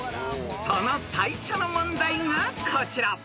［その最初の問題がこちら］